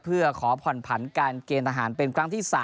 เพื่อขอผ่อนผันการเกณฑ์ทหารเป็นครั้งที่๓